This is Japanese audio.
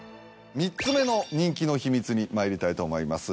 ３つ目の人気の秘密にまいりたいと思います。